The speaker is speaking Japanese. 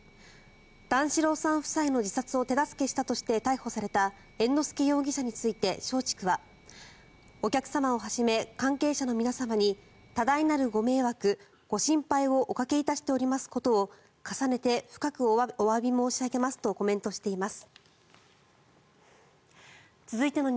段四郎さん夫妻の自殺を手助けしたとして逮捕された猿之助容疑者について松竹はお客様をはじめ関係者の皆様に多大なるご迷惑、ご心配をおかけいたしておりますことを重ねて深くおわび申し上げますとコメントしています。